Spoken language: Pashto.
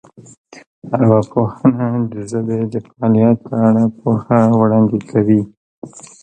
ارواپوهنه د ژبې د فعالیت په اړه پوهه وړاندې کوي